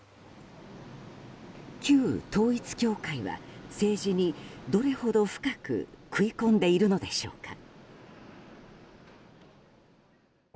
旧統一教会は、政治にどれほど深く食い込んでいるのでしょうか。